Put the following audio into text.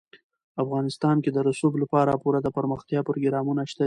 افغانستان کې د رسوب لپاره پوره دپرمختیا پروګرامونه شته دي.